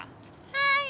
はい！